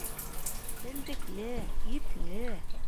Белдекле, ипле...